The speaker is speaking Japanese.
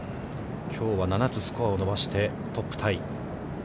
きょうは７つスコアを伸ばして、トップタイ。